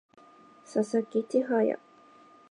佐々木千隼